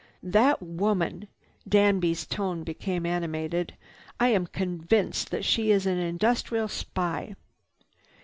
"That woman!" Danby's tone became animated. "I am convinced that she is an industrial spy."